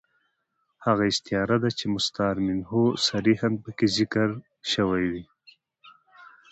هغه استعاره ده، چي مستعار منه صریحاً پکښي ذکر ىوى يي.